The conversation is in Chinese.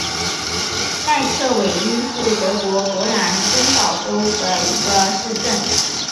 赖特韦因是德国勃兰登堡州的一个市镇。